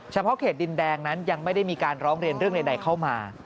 เฉพาะเขตดินแดงนั้นยังไม่ได้มีการร้องเรียนเรื่องใดเข้ามา